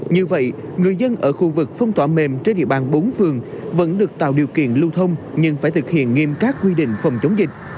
như vậy người dân ở khu vực phong tỏa mềm trên địa bàn bốn phường vẫn được tạo điều kiện lưu thông nhưng phải thực hiện nghiêm các quy định phòng chống dịch